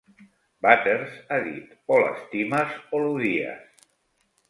Butters ha dit, o l'estimes o l'odies.